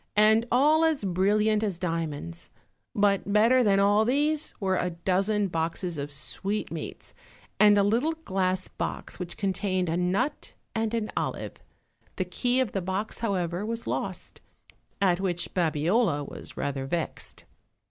and all as brilliant as diamonds; but better than all these were a dozen boxes of sweetmeats, and a little glass box which contained a nut and an olive; the key of the box, however, was lost, at which Babiola was rather vexed.